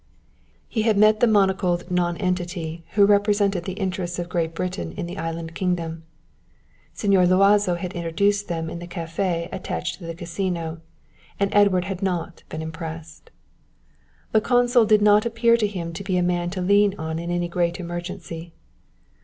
He had met the monocled nonentity who represented the interests of Great Britain in the island kingdom. Señor Luazo had introduced them in the café attached to the Casino, and Edward had not been impressed. The Consul did not appear to him to be the man to lean on in any great emergency.